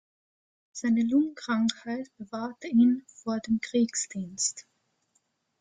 Seine Lungenkrankheit bewahrte ihn vor dem Kriegsdienst.